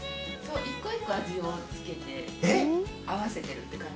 一個一個味を付けて合わせてるって感じですが。